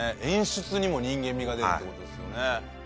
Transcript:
演出にも人間味が出るって事ですよね。